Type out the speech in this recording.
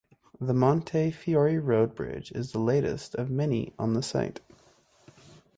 The Montefiore Road bridge is the latest of many on the site.